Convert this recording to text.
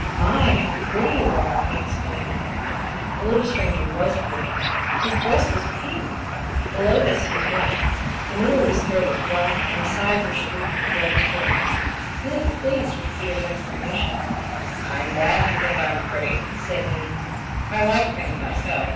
"My, how pretty you are!" he exclaimed. The little stranger WAS pretty. His breast was PINK. Below this he was white. The middle of his throat was black and his sides were streaked with reddish brown. He looked pleased at Peter's exclamation. "I'm glad you think I'm pretty," said he. "I like pink myself.